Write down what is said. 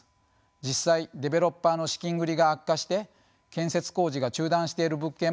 実際デベロッパーの資金繰りが悪化して建設工事が中断している物件も多いです。